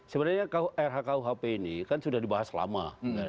sebenarnya rhkuhp ini kan sudah dibahas lama